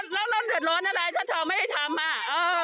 อ้าวแล้วเรื่องเตือดร้อนอะไรถ้าเธอไม่ได้ทำ